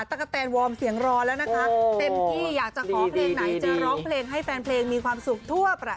ตั๊กกะแตนวอร์มเสียงร้อนแล้วนะคะ